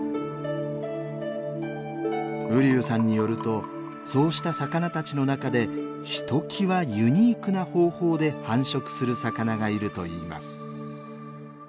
瓜生さんによるとそうした魚たちの中でひときわユニークな方法で繁殖する魚がいるといいます。